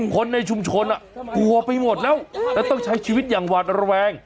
คนในชุมชนกลัวไปหมดแล้วแล้วต้องใช้ชีวิตอย่างหวาดระแวง